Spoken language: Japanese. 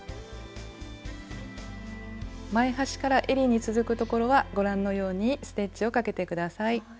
前端からえりに続くところはご覧のようにステッチをかけて下さい。